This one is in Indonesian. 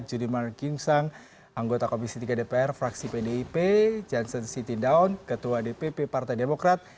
judiman gingsang anggota komisi tiga dpr fraksi pdip jansen siti daun ketua dpp partai demokrat